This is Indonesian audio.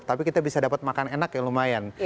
tapi kita bisa dapat makan enak ya lumayan